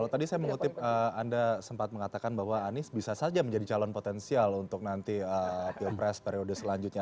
jadi saya mengutip anda sempat mengatakan bahwa anies bisa saja menjadi calon potensial untuk nanti pilpres periode selanjutnya